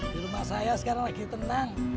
di rumah saya sekarang lagi tenang